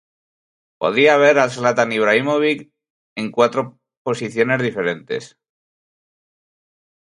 Podía ver a Zlatan Ibrahimović en cuatro posiciones diferentes.